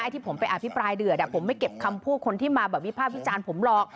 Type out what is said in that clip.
ที่ผมไปอภิปรายเดือดผมไม่เก็บคำพูดคนที่มาแบบวิภาควิจารณ์ผมหรอก